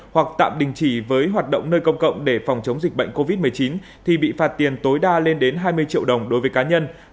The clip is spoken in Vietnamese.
hoặc tạm đình chỉ với hoạt động nơi công cộng để phòng chống dịch bệnh covid một mươi chín thì bị phạt tiền tối đa lên đến hai mươi triệu đồng đối với cá nhân